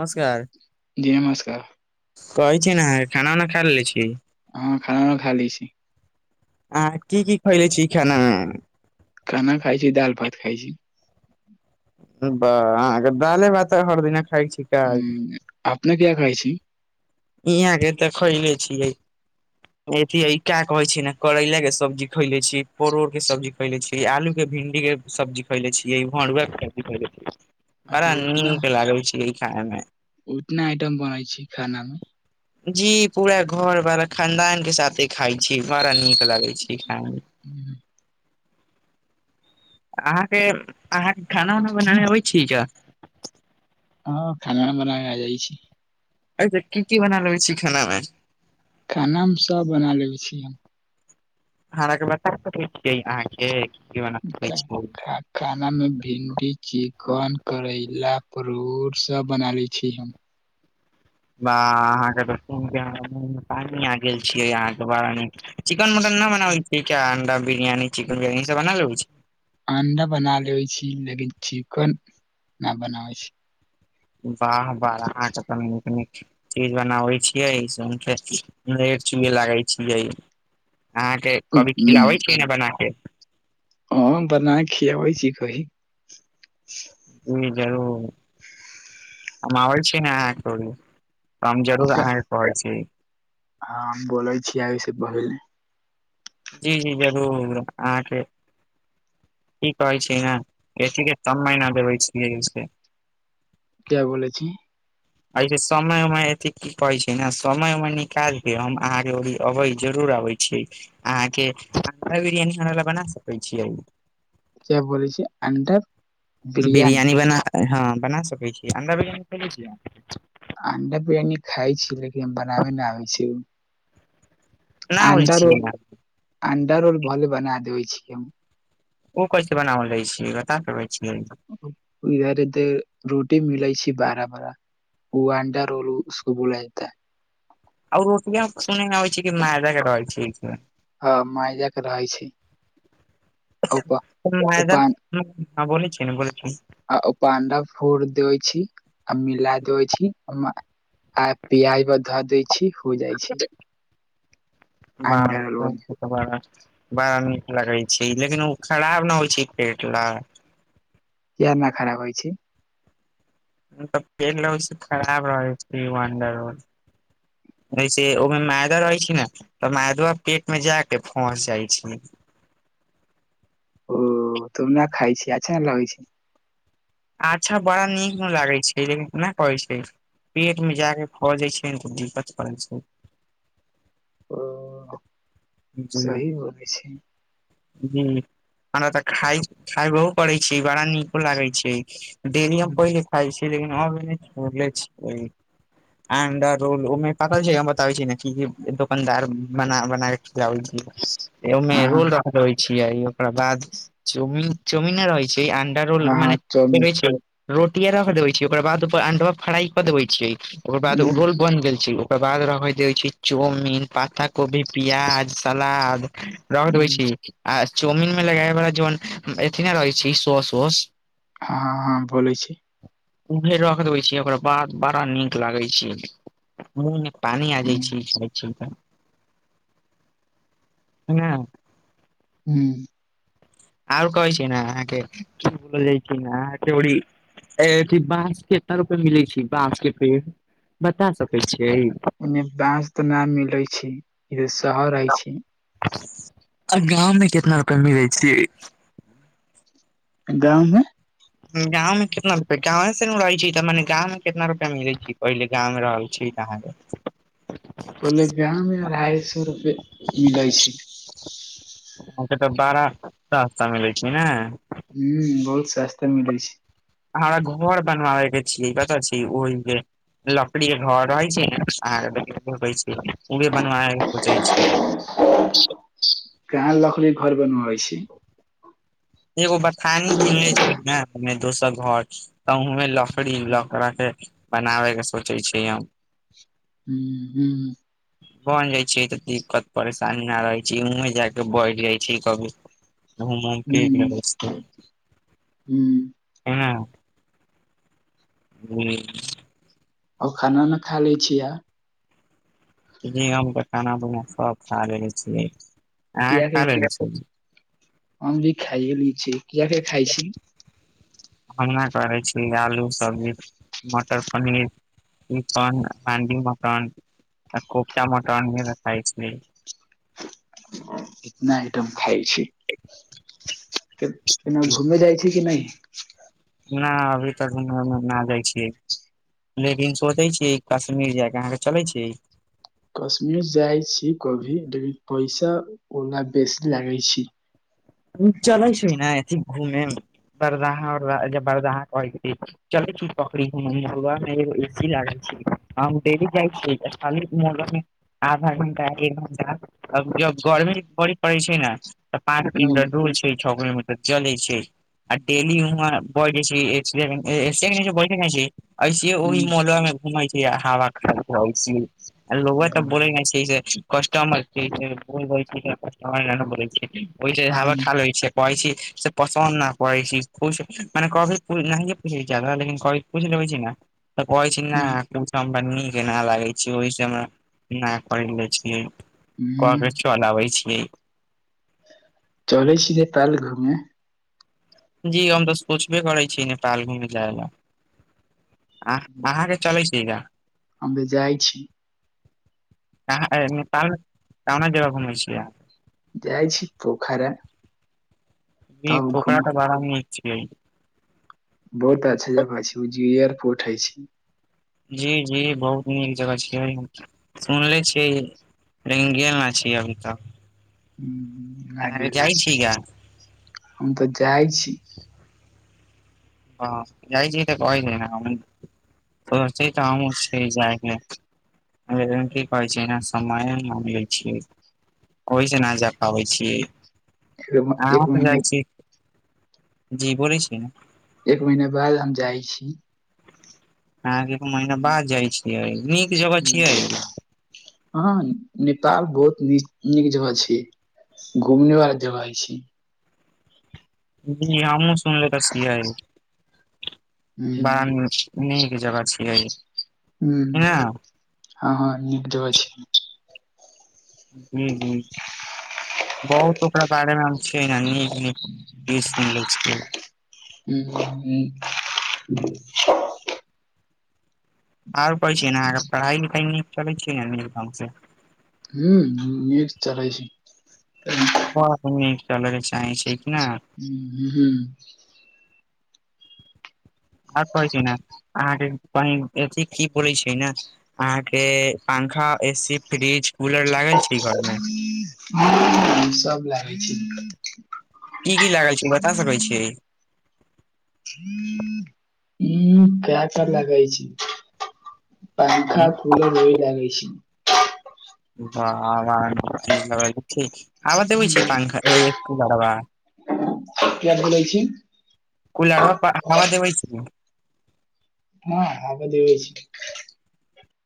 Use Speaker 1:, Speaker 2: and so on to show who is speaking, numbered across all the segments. Speaker 1: नमस्कार
Speaker 2: जी नमस्कार
Speaker 1: कहैत छी ने, खाना उना खा लै छी।
Speaker 2: हँ, खाना उना खा लै छी।
Speaker 1: आ की की खयले छी खानामे?
Speaker 2: खाना खाइ छी, दाल भात खाइ छी।
Speaker 1: बाह, हम तऽ दाल भात हर दिन खाइ छी। का
Speaker 2: हँ, अपने की खाइ छी?
Speaker 1: यहाँ तऽ खयले छियै। ए, ई का कहैत छी ने करैलाक सब्जी खयले छी, परोड़क सब्जी। खयले छियै आलूके, भिण्डीके सब्जी खयले, भरुआके सब्जी खयले छियै। बड़
Speaker 2: अच्छा
Speaker 1: नीक लागल छै ई खायमे।
Speaker 2: ओतना आइटम बनै छै खानामे?
Speaker 1: जी पूरा घर परिवार खानदानक सङ्गे खाइ छी, बड़ नीक लगै छै खायमे। अहाँके खाना उना बनाबऽ अबै छै कऽ?
Speaker 2: हँ, खाना बनाबै आबि जाइ छी।
Speaker 1: अए, तऽ की की बना लै छियै खानामे?
Speaker 2: खानामे सभ बना लै छियै हम।
Speaker 1: हमरा के बता सकै छियै अहाँके कि की बना सकै
Speaker 2: खा,
Speaker 1: छियै
Speaker 2: खा, खाना में भिंडी चिकन करैला परोर सब बना ले छी हम
Speaker 1: बा अहाँके गेल [unintelligible] छियै अहाँ के बारे मे चिकेन मटन न बनाबै छीयै का अंडा बिरियानी चिकेन बिरियानी सब बना लेबे छि
Speaker 2: अंडा बना लेेबे छी लेकिन चिकन न बनावे छी
Speaker 1: वाह बारहा च नीक नीक चीज बनाबै छियैे सऊसे लेर चुेए लागे छियै अहाँके कभी खिलाबै छियै नै बना के
Speaker 2: हँ बना खियाबै छी कही
Speaker 1: ई जरूर हम आबै छी न आहाके हम जरूर अहाँके कहै छी
Speaker 2: हँ हम बोलै छियै से पहिले
Speaker 1: जी जी जरूर आहके की कहै छै न एथी के कम महीना देबे छियै
Speaker 2: क्या बोलै छी
Speaker 1: ऐसे समय ऊमय एथी की कहै छै ने समय ऊमय निकाल के हम अहाँके अबै जरूर अबै छीय अहाँ के अंडा बिरयान हमरा लै बना सकै छीयै
Speaker 2: क्या बोले छै अंडा
Speaker 1: बिरयानी बना हँ बना सकै छी अणडा बिरयानी खोले छियै आहां
Speaker 2: अंडा बिरयनी खाय छी लेकिन हम बनाबे न आबै छै
Speaker 1: ना होइ
Speaker 2: अंडा
Speaker 1: छियै
Speaker 2: रोल अंडा रोल भले बना देबै छिय हम
Speaker 1: ओ कैसे बनावल लै छीय बता सकै छीयै
Speaker 2: इधर ते रोटी मिलै छै बारा बड़ा ओ अंडा रोल उसको बोला जाता है
Speaker 1: औ रोटियाँ सुनै में आबय छै मैदा के रहै छियै
Speaker 2: ह मैदा के रहय छैय
Speaker 1: मैदा
Speaker 2: ऊपर
Speaker 1: हां बोले छी न बोलें छी
Speaker 2: आ ओ पर आंडा फोर दैबै छी आ मिला दैबै छी आ पिआज पर घ दै छी हो जाइ छी
Speaker 1: बाह
Speaker 2: रोल
Speaker 1: बड़ा बड़ा नीक लगे छै लेकिन ओ खराब न होइ छै पेट लऽ
Speaker 2: किया न खराब होइ छै
Speaker 1: त पेड़ लगै छै खराब रहै छै ओ अंडा रोल एसे ओहिमे मैदा रहै छै न तऽ मैदवा पेट मे जाके फस जाइ छै
Speaker 2: ओ तो न खाइ छैय अच्छा लगै छै
Speaker 1: अच्छा बड़ा नीक नु लागै छै लेकिन ना कहै छै पेट मे जाके फस जाय छै ने तऽ दिक्कत कड़ैत छै
Speaker 2: ओ
Speaker 1: जी
Speaker 2: सही बोले छै।
Speaker 1: जी आ न त खाय खायो परै छै बड़ा नीक लागै छै डेली हम
Speaker 2: हँ
Speaker 1: पहिले खाइ छलियै लेकिन आब नय छोड़ले छीय अंडर रोल ओहिमे कत छै हम बताबै छी ने की की दोकनदार बना बना खिआबय छी ओ मे रोल
Speaker 2: हँ
Speaker 1: रख देबैय छी ओकरा बाद चौमिन चौमिन रहै छै अंडा रौल
Speaker 2: हँ चलू
Speaker 1: मनेै छै रोटीे रख देबे छी ओकर बाद ओपर अंडा फ्राई क देबे छियै ओकर बाद ओ
Speaker 2: हुं
Speaker 1: रोल बन गेल छै ओ ओकर बाद रहै द छै चाउमीन पत्ता कोबी प्याज सलाद रख देबै
Speaker 2: हुं
Speaker 1: छी आ चाउमिन मे लगाब बला जन अथि ने रहै छै सोस वौस
Speaker 2: हँ हँ बोलै छी
Speaker 1: उहे रख देबै छियै ओकर बाद बड़ा नीक लागै छै मूंह में पानी आ जाइ
Speaker 2: हुं
Speaker 1: छी सुनय छी त ने
Speaker 2: हूम्म
Speaker 1: आओर कहै छै ने अहाँके की बोललै कि ना अहाँ के ओरी अथि बाँस केतना रूपैये मिलै छै बाँस के पेड़ बता सकै छियै
Speaker 2: एन्ने बाँंस तऽ न मिले छै ई तऽ शहर हय छै
Speaker 1: आ गाँव मे कितना रुपैये मिलै छियै।
Speaker 2: गाँवमे
Speaker 1: गाँंव मे कितना रुपैए गावें से ने रहै छै तऽ मने गाँव मे कितना रुपैए मिलै छै पहिले गाँव मे रहल छी [unintelligible]
Speaker 2: बोले गाँव मे अढ़ाइ सौ रुपए मिलै छै
Speaker 1: अहाँके तऽ बारा सस्ता मिलैत छै ने
Speaker 2: हूम्म बहुत सस्ता मिलै छै
Speaker 1: हमरा घर बनवाबे के छियै कतऽ छी ओहि जे लकड़ी के घर रहै छै ने अहाँके उहे बनबावय के सोचै छियै सब
Speaker 2: कहाँ लकड़ी के घर बनबाबै छी
Speaker 1: एगो बथानी किनले छियै ने ओहिमे दोसर घर तऽ हुंये लकड़ी लकड़ा के बनाबे के सोचे छी हम
Speaker 2: हूंम्म हूंम्म
Speaker 1: बन जाइ छियै तऽ दिक्कत परेशानी नहि रहै छै उहें जाके बैठ जाइ छियै कभी गहुम
Speaker 2: हुं
Speaker 1: उहूम
Speaker 2: हुं
Speaker 1: [unintelligible] हूंम्म
Speaker 2: आउ खाना उना खा ले छीयै
Speaker 1: जी हम तऽ खाना पीना सब खा लेले छियै अहाँ
Speaker 2: किया के
Speaker 1: खा लेले छी
Speaker 2: हम भी खाइए ली छी किए के खाइ छी
Speaker 1: हम नहि करै छी आलू सब्जी मटर पनीर ई अपन हंडी मटन ख कोफटा मटन भी बनाय छियै
Speaker 2: इतना आइटम खाइ छी केनो घूमे जाइ छी कि नहि
Speaker 1: नहि अभी तक घुमे नहि जाइ छियै लेकिन सोचै छीयै कश्मीर जाय के अहाँके चले छी
Speaker 2: कश्मीर जाइ छी कभी लेकिन पैसा ओना बेसी लागे छै
Speaker 1: चलै छै न अथि घूमे वरदहा उरदहा बरदाहा कहै छियै चलै छी पखड़ी घुमे मड़गा मे एगो एसी लागल छै हम डेली जाइ छीयै स्थी मुड़ा मे [unintelligible] आधा घंटा एक घंटा जब गर्मी बड़ी पड़ै छै ने तऽ पाँच
Speaker 2: ह्म
Speaker 1: किलोमिटर दूर छै छौ किलोमीटर तऽ चलै छै आ डेली वहाँ बढ़ गेलै छै [unintelligible] ऐसिहे ओहि मे मोहलवा मे घुमै छियै आ हवा खाइत रहै छियै आरे रउआ तऽ बोले
Speaker 2: ह्म
Speaker 1: न छियै जे कस्टमर के बोलि दैत छी [unintelligible] की ओहि से हावा
Speaker 2: आन
Speaker 1: खा लै छियै कहै छी से पसन्द नहि करै छी खुश मने कभी नहि पूछै छी ज्यादा लेकिन कभी पुछि लेबै छी ने तऽ कहै छी ना हमरा नीक ना लागै छी ओहि से हमरा ना पहिरले छियै
Speaker 2: ह्म
Speaker 1: चल आबय छियै
Speaker 2: चलै छी नेपाल घूमे
Speaker 1: जी हम तऽ सोचबे करै छी नेपाल घुमे जाय ला अहाँ अहाँके चलै छियै का
Speaker 2: हमभी जाइ छी
Speaker 1: अहाँ नेपाल कउना जगह घुमै छियै अहाँ
Speaker 2: जाइ छी पोखारा
Speaker 1: जी पोखरा तऽ बड़ा निक छियै
Speaker 2: बहुत काज छै वो जीयर पोर्ट होय छै
Speaker 1: जी जी बहुत नीक जगह छियै सुनले छियै रेंगे नहि छियई अभी तऽ
Speaker 2: हूँ हूँ भ गेले छी हम तऽ जाइ छी
Speaker 1: हँ जाइ छीय तऽ कहइ नै ह से त हमहु छिये जाय के की कहै छैना समय मांग ले छियै ओहिसँ ना जा पाबै छी
Speaker 2: एक म- एक
Speaker 1: अहाँ
Speaker 2: महीना
Speaker 1: जाय छी जी बोलै छी न
Speaker 2: एक महीना बाद हम जाय छी
Speaker 1: अहांक एक महीना
Speaker 2: हम्म,
Speaker 1: बाद जाय छियै नीक जगह छियै
Speaker 2: हम्म। हँ नेपाल बहुत नी नीक जगह छियै घुमने वाला जगह हय छी
Speaker 1: जी हमहुँ सुन ले त छियै
Speaker 2: ह्म
Speaker 1: बारा नि निक जगह छियै
Speaker 2: ह
Speaker 1: ने
Speaker 2: हँ हँ नीक जगह छियै
Speaker 1: हूँ हूँ बहुत ओकरा बारेमे हम छियै न नीक नीक न्यूज़ सुनले छियै
Speaker 2: हूँ हूँ
Speaker 1: आर कहै छि न अहाँक पढ़ाइ लिखाइ नीक चलैत छियै न नीक ढंग से
Speaker 2: हूँ हूँ निक चलय छै
Speaker 1: बड नीक चलय के चाही छी कि न
Speaker 2: हूँ
Speaker 1: आर कहै छै ने अहाँके बहिन अथी की बोलै छै ने अहाँ के पंखा ए सी फ्रिज कूलर लागल छै घर मे
Speaker 2: सब लागै छै
Speaker 1: की कि लागल छै बता सकै छीयै
Speaker 2: ह केते लगै छी [unintelligible] पंखा कुलर वहि लागै छै
Speaker 1: बा बा इते [unintelligible] चीज लगेबे छी हवा देबैछइ पंखा कुलरवा
Speaker 2: किया बोलै छी [unintelligible]
Speaker 1: कुलरवा प हवा देबै छी।
Speaker 2: हँ हबा देबै छी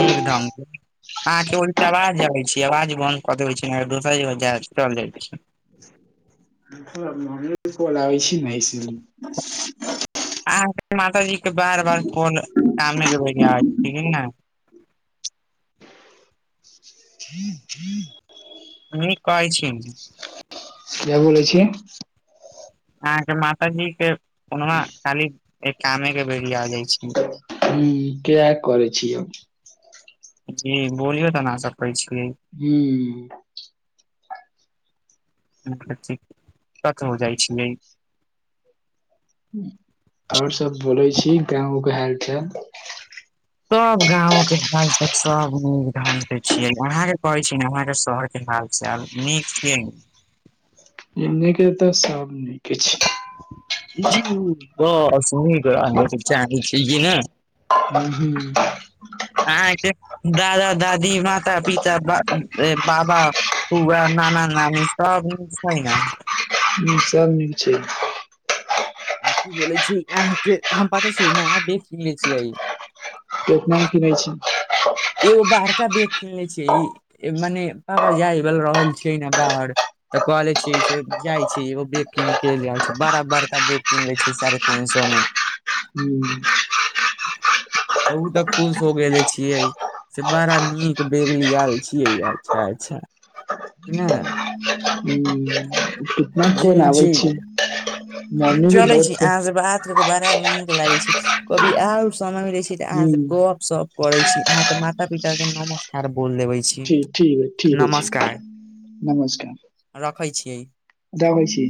Speaker 1: नीक ढङ्गके [unintelligible] अहाँ के [unintelligible] ओहि आवाज आबै छीयै आवाज बन्द कऽ देै छै ना त दोसर जगहचल जाइ छी
Speaker 2: हममे [unintelligible] कोल आबै छी नेऐसमे
Speaker 1: अहाँके मातााजी के बार बार फोन कामे केै ठीक
Speaker 2: [inaudible]
Speaker 1: नहि कहै छीये
Speaker 2: किया बोलै छीये
Speaker 1: अहाँ के माता जी के फोनमा खाली एक कामे के बेरी आ जाइ छै
Speaker 2: किय करै छीये [unintelligible]
Speaker 1: जी बोलियौ तऽ ना सकै छियै
Speaker 2: हूँ
Speaker 1: कतहो जाइ छियै
Speaker 2: और सब बोलै छी गाँव ऊ के हाल चाल
Speaker 1: सब गाँव के हाल चाल सब नीक ढंग के छियै अहाँ के कहे छी ने अहाँ के शहर की हाल छै चाल नीक छियै
Speaker 2: एने के तऽ सबे
Speaker 1: जी बस नीक आ लगे के छै ने [unintelligible]
Speaker 2: ह ह [unintelligible]
Speaker 1: अहाँ आइतक दादा दादी माता पिता। [unintelligible] बाबा बुआ नाना नानी सभ नीक छै ने
Speaker 2: सभ निक छै [unintelligible]
Speaker 1: बोलै छियै, अहाँके हमरा पता छै, नया बैग किनने छियै।
Speaker 2: केतना किनै छै?
Speaker 1: एगो बड़का बैग खोलै छै, मने आब बाहर जाय रहल छै ने। तऽ कहलै छियै, से जाइ छी एगो बैग कीनके लऽ आबै छी। बड़ा बड़का बैग कीन लै छी साढ़े तीन सए मे। [inaudible]
Speaker 2: हू
Speaker 1: तऽ ओ तऽ खुश भऽ गेलै छियै। से बड़ा नीक बैगली आयल छियै, अच्छा अच्छा कि ने?
Speaker 2: हँ, कितना
Speaker 1: जी
Speaker 2: कोन आबै
Speaker 1: जी
Speaker 2: छै? मम्मी के
Speaker 1: चलै
Speaker 2: बहुत
Speaker 1: छी।
Speaker 2: फोन
Speaker 1: अहाँ से बात के, बड़ा नीक लागै छै कभी कभार, अहाँसँ गप करैमे।
Speaker 2: हुं
Speaker 1: सभ करै छी, अहाँके माता पिताके नमस हर बोल लेबै छी,
Speaker 2: ठीक ठीक है ठीक छै
Speaker 1: नमस्कार।
Speaker 2: नमस्कार
Speaker 1: रखै छियै।
Speaker 2: दबै छी।